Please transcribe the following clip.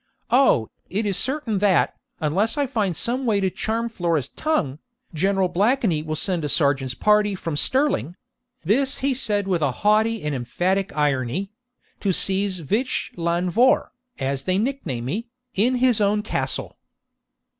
O, it is certain that, unless I can find some way to charm Flora's tongue, General Blakeney will send a sergeant's party from Stirling (this he said with haughty and emphatic irony) to seize Vich lan Vohr, as they nickname me, in his own castle.'